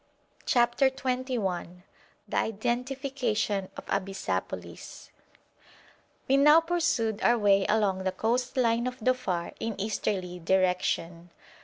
CHAPTER XXI THE IDENTIFICATION OF ABYSSAPOLIS We now pursued our way along the coast line of Dhofar in an easterly direction.